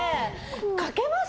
かけます？